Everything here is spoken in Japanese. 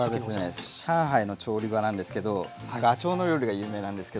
これは上海の調理場なんですけどガチョウの料理が有名なんですけど。